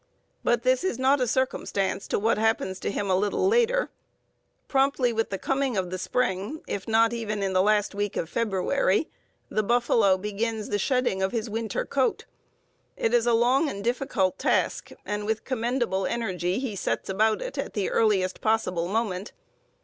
But this is not a circumstance to what happens to him a little later. Promptly with the coming of the spring, if not even in the last week of February, the buffalo begins the shedding of his winter coat. It is a long and difficult task, and with commendable energy he sets about it at the earliest possible moment.